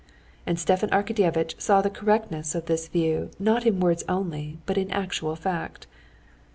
And Stepan Arkadyevitch saw the correctness of this view not in words only but in actual fact.